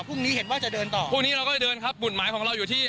พรุ่งนี้เห็นว่าจะเดินต่อพรุ่งนี้เราก็จะเดินครับบุตรหมายของเราอยู่ที่